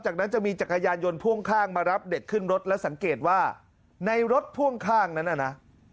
จากนั้นจะมีจักรยานยนต์พ่วงข้างมารับเด็กขึ้นรถแล้วสังเกตว่าในรถพ่วงข้างนั้นน่ะนะ